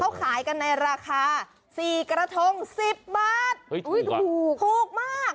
เขาขายกันในราคาสี่กระทงสิบบาทเฮ้ยถูกอ่ะถูกมาก